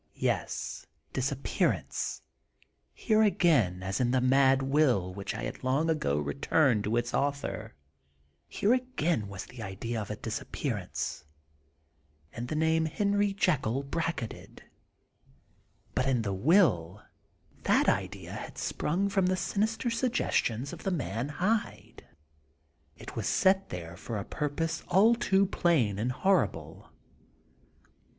Yes ; here it was " disappearance " ŌĆö here again, as in the mad will which I had long ago returned to its author; here again was the idea of a disappearance, and the name of Henry Jekyll bracketed. Dr. yekyll and Mr. Hyde. 19 But in the will, that idea had sprung from the sinister suggestions of the man Hyde ; it was set there for a purpose all too plain and horrible.